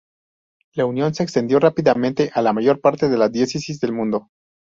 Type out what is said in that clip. La Unión se extendió rápidamente a la mayor parte de las diócesis del mundo.